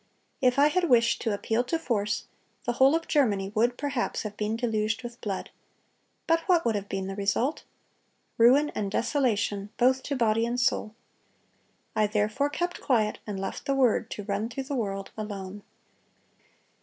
If I had wished to appeal to force, the whole of Germany would perhaps have been deluged with blood. But what would have been the result? Ruin and desolation both to body and soul. I therefore kept quiet, and left the Word to run through the world alone."